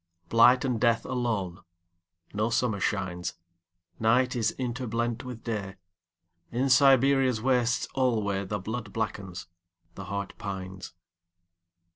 Blight and death alone.No summer shines. Night is interblent with Day.In Siberia's wastes alwayThe blood blackens, the heart pines.